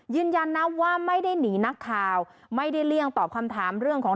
ยืนยันนะว่าไม่ได้หนีนักข่าวไม่ได้เลี่ยงตอบคำถามเรื่องของ